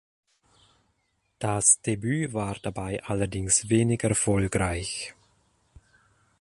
Das Debüt war dabei allerdings wenig erfolgreich.